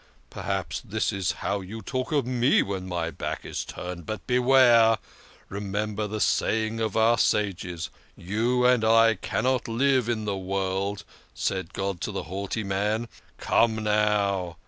Perhaps this is how you talk of me when my back is turned. But, beware ! Remember the saying of our sages, ' You and I cannot live in the world,' said God to the haughty man. Come, now